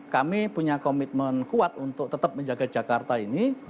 kami punya komitmen kuat untuk tetap menjaga jakarta ini